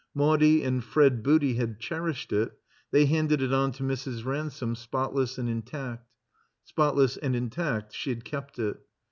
Maudie and Fred Booty had cherished it, they handed it on to Mrs. Ransome spotless and intact. Spotless and intact she had kept it.